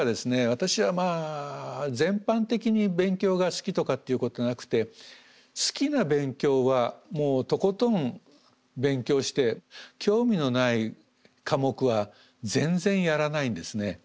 私はまあ全般的に勉強が好きとかっていうことはなくて好きな勉強はもうとことん勉強して興味のない科目は全然やらないんですね。